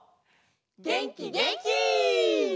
げんきげんき！